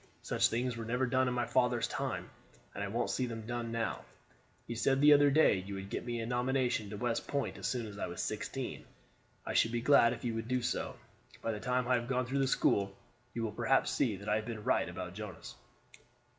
Such things were never done in my father's time, and I won't see them done now. You said the other day you would get me a nomination to West Point as soon as I was sixteen. I should be glad if you would do so. By the time I have gone through the school, you will perhaps see that I have been right about Jonas."